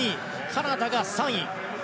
カナダが３位。